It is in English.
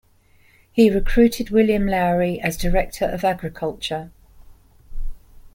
He recruited William Lowrie as director of agriculture.